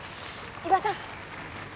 伊庭さん。